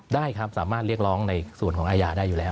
ได้ครับสามารถเรียกร้องในส่วนของอาญาได้อยู่แล้ว